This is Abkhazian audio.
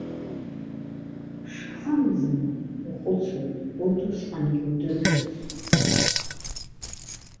Шҳамызма, ухәыцуеит, урҭ усҟангьы иудыржәуаз?